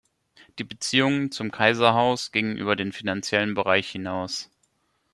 Die Beziehungen zum Kaiserhaus gingen über den finanziellen Bereich hinaus.